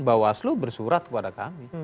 bawaslu bersurat kepada kami